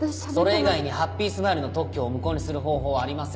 それ以外にハッピースマイルの特許を無効にする方法はありません。